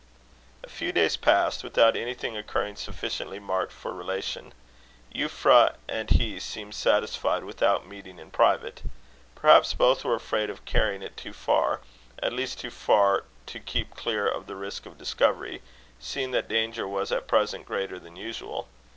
A few days passed without anything occurring sufficiently marked for relation. Euphra and he seemed satisfied without meeting in private. Perhaps both were afraid of carrying it too far; at least, too far to keep clear of the risk of discovery, seeing that danger was at present greater than usual.